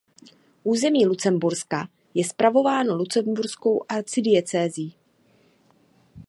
Území Lucemburska je spravováno lucemburskou arcidiecézí.